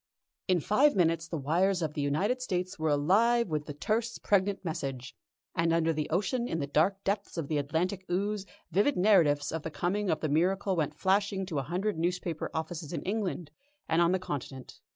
In five minutes the wires of the United States were alive with the terse, pregnant message, and under the ocean in the dark depths of the Atlantic ooze, vivid narratives of the coming of the miracle went flashing to a hundred newspaper offices in England and on the Continent.